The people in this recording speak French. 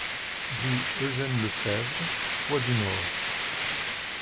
Rue Eugène Lefebvre, Poix-du-Nord